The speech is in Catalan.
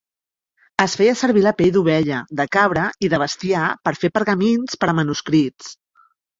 Es feia servir la pell d'ovella, de cabra i de bestiar per fer pergamins per a manuscrits.